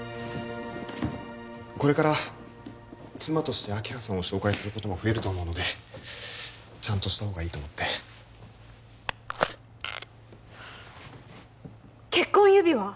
これから妻として明葉さんを紹介することも増えると思うのでちゃんとしたほうがいいと思って結婚指輪！？